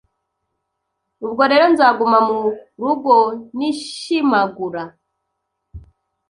Ubwo rero nzaguma mu rugo nishimagura,